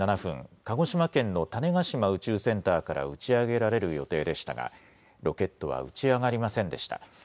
鹿児島県の種子島宇宙センターから打ち上げられる予定でしたがロケットは打ち上がりませんでした。